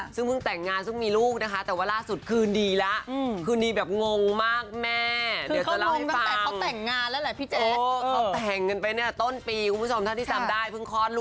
ชมมาก็น่ารักนี่เห็นไหมเอ็นดูเอ็นดู